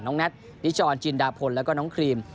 แน็ตนิจรจินดาพลแล้วก็น้องครีม